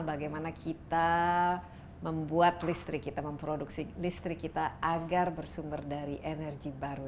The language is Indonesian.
bagaimana kita membuat listrik kita memproduksi listrik kita agar bersumber dari energi baru